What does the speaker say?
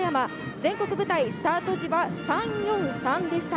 全国舞台のスタート時は３−４−３でした。